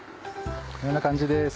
こんな感じです。